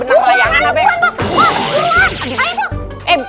buruan buruan buruan bos buruan